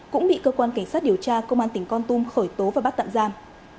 cũng bị cơ quan cảnh sát điều tra công an tỉnh con tum khởi tố và bắt tạm giam